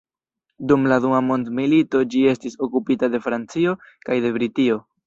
Dum la dua mondmilito ĝi estis okupita de Francio kaj de Britio.